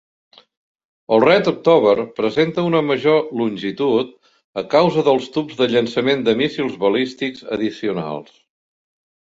El "Red October" presenta una major longitud a causa dels tubs de llançament de míssils balístics addicionals.